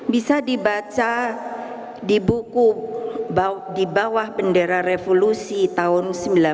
bisa dibaca di buku di bawah bendera revolusi tahun seribu sembilan ratus sembilan puluh